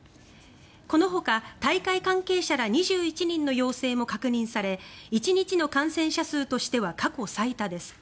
このほか、大会関係者ら２１人の陽性も確認され１日の感染者数としては過去最多です。